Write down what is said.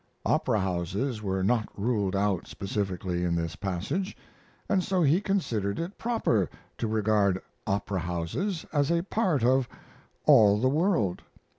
Opera houses were not ruled out specifically in this passage, and so he considered it proper to regard opera houses as a part of "all the world."